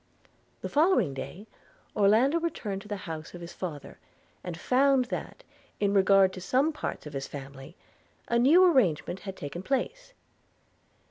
The following day Orlando returned to the house of his father, and found that, in regard to some parts of his family, a new arrangement had taken place.